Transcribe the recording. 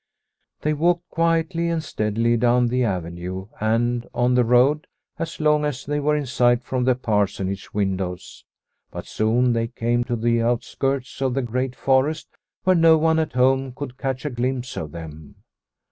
They walked quietly and steadily down the avenue and on the road as long as they were in sight from the Parsonage windows, but soon they came to the outskirts of the great forest where no one at home could catch a glimpse of them.